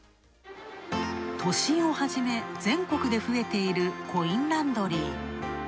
都心をはじめ、全国で増えているコインランドリー。